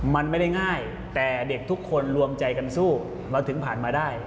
มันไม่ได้ง่ายแต่เด็กทุกคนรวมใจกันสู้เราถึงผ่านมาได้